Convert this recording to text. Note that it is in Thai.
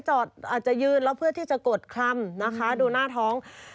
อาจจะยืนแล้วเพื่อที่จะกดคลำนะคะดูหน้าท้อง